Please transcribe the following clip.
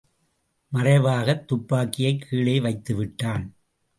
மறைவாகத்துப்பாக்கியைக் கீழே வைத்துவிட்டான்.